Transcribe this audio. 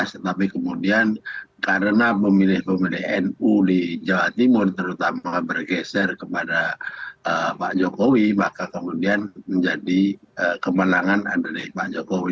tetapi kemudian karena pemilih pemilih nu di jawa timur terutama bergeser kepada pak jokowi maka kemudian menjadi kemenangan dari pak jokowi